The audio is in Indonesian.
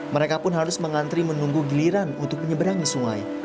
mereka pun harus mengantri menunggu giliran untuk menyeberangi sungai